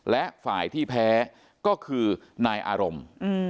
และฝ่ายที่แพ้ก็คือนายอารมณ์